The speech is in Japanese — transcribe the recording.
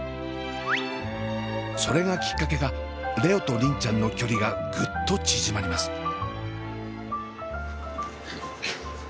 それがきっかけか蓮音と梨鈴ちゃんの距離がグッと縮まります。